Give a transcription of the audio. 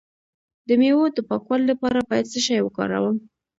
د میوو د پاکوالي لپاره باید څه شی وکاروم؟